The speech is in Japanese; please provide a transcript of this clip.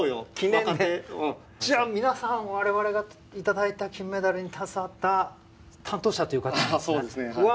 うんじゃあ皆さん我々が頂いた金メダルに携わった担当者という方なんですねうわ